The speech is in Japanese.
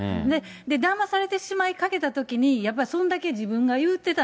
だまされてしまいかけたときに、やっぱりそれだけ自分が言ってた